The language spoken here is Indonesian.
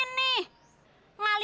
jangan berdiri di sini